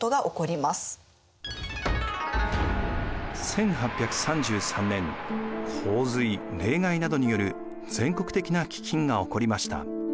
１８３３年洪水・冷害などによる全国的な飢饉が起こりました。